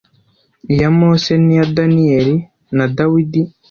iya Mose n’ iya Daniyeli na Dawidi